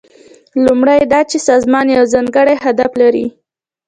لومړی دا چې سازمان یو ځانګړی هدف لري.